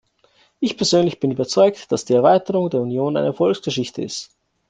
Ich persönlich bin überzeugt, dass die Erweiterung der Union eine Erfolgsgeschichte ist.